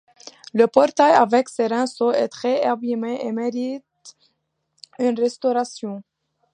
Le portail avec ses rinceaux est très abimé et mérite une restauration.